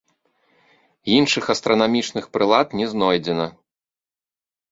Іншых астранамічных прылад не знойдзена.